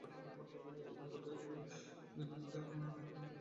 এ দম্পতির দুই ছেলে, দুই মেয়ে।